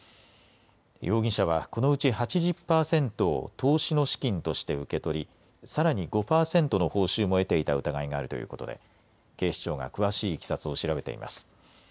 容疑者はこのうち８０％を投資の資金として受け取り、さらに５％の報酬も得ていた疑いがあるということで警視庁が詳しいいきさつを調べています。